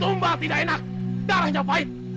domba tidak enak darahnya pahit